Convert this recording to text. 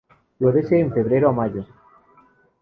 Florece en febrero a mayo.